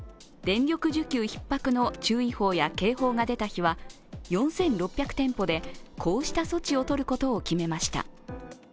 電力需給ひっ迫の注意報や警報が出た日は、４６００店舗でこうした措置をとることを決めました。